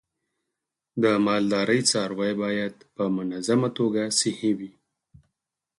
د مالدارۍ څاروی باید په منظمه توګه صحي وي.